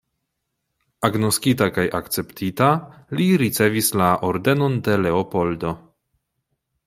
Agnoskita kaj akceptita, li ricevis la Ordenon de Leopoldo.